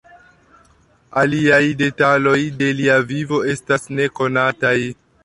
Aliaj detaloj de lia vivo estas nekonataj.